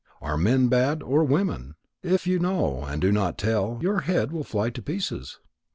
Are men bad, or women? If you know and do not tell, your head will fly to pieces."